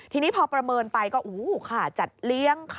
ทีนี้พอประเมินไปก็โอ้โฮขาดจัดเลี้ยง